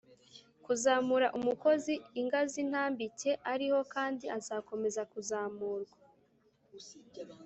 Kuzamura umukozi ingazintambike ariho kandi azakomeza kuzamurwa.